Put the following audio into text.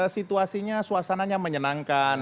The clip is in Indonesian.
situasinya suasananya menyenangkan